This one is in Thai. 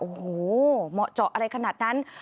โอ้โหเหมาะเจาะอะไรขนาดนั้น